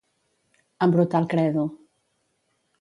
Embrutar el credo.